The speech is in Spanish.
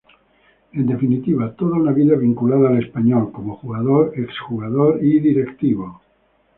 En definitiva, toda una vida vinculada al Español, como jugador, ex jugador y Directivo.